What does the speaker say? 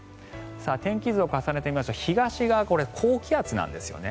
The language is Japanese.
天気図を重ねてみますと東が高気圧なんですね。